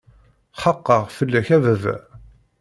Xaqeɣ fell-ak a baba!